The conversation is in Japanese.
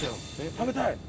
食べたい。